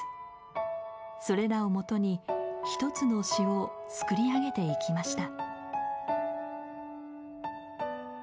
それらを基に一つの詞を作り上げていきました。